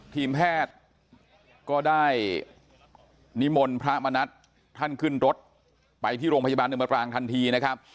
ทีมแพทย์ก็ได้นิมนต์พระมณัฐท่านขึ้นรถไปที่โรงพยาบาลเนมปรางทันทีนะครับ